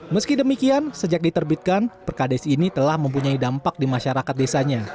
meski demikian sejak diterbitkan perkades ini telah mempunyai dampak di masyarakat desanya